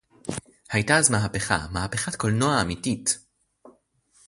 היתה אז מהפכה, מהפכת קולנוע אמיתית